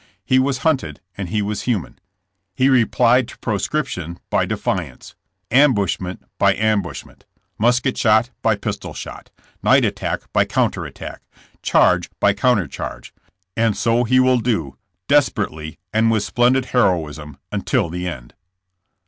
He was hunted, and he was human. He replied to pro scription by defiance, ambushment by ambushment, musket shot by pistol shot, night attack by counter attack, charge by counter charge, and so he will do, desperately and with splendid heroism, until the end.''